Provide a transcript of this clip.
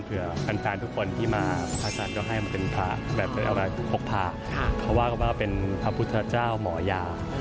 เผื่อพันธวันทุกคนที่มาพระพระจันทร์จะให้มาเป็นพระ